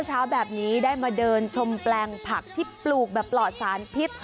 เช้าแบบนี้ได้มาเดินชมแปลงผักที่ปลูกแบบปลอดสารพิษ